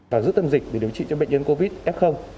và giúp tâm dịch để điều trị cho bệnh nhân covid f